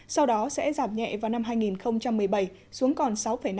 sau đó sẽ giảm nhẹ vào năm hai nghìn một mươi bảy xuống còn sáu năm